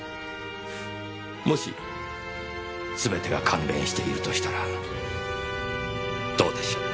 もしすべてが関連しているとしたらどうでしょう？